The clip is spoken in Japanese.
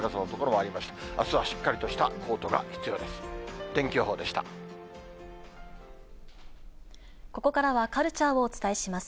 あすはしっかりとしたコートが必要です。